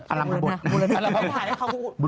อารมณ์ผลบท